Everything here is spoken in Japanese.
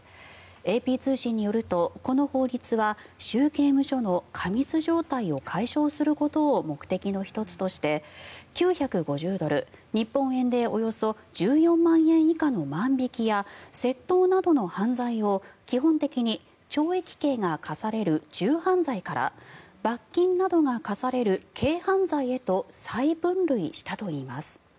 ＡＰ通信によるとこの法律は州刑務所の過密状態を解消することを目的の１つとして９５０ドル、日本円でおよそ１４万円以下の万引きや窃盗などの犯罪を基本的に懲役刑が科される重犯罪から罰金などが科される軽犯罪へと再分類したといいます。